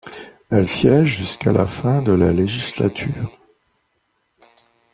Elle siège jusqu'à la fin de la législature.